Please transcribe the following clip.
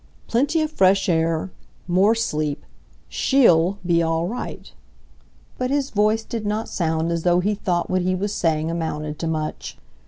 plenty of fresh air ... more sleep ... SHE'll be all right ..." but his voice did not sound as though he thought what he was saying amounted to much.